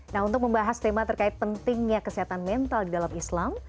nah untuk membahas tema terkait pentingnya kesehatan mental di dalam islam